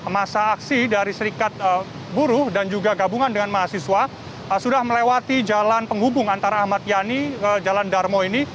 masa aksi dari serikat buruh dan juga gabungan dengan mahasiswa sudah melewati jalan penghubung antara ahmad yani jalan darmo ini